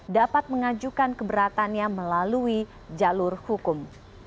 dapat mengajukan keberatannya melalui jalur hukum